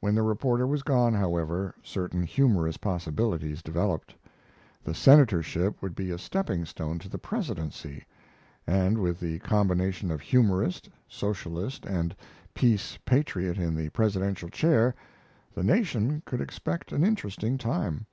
When the reporter was gone, however, certain humorous possibilities developed. The Senatorship would be a stepping stone to the Presidency, and with the combination of humorist, socialist, and peace patriot in the Presidential chair the nation could expect an interesting time.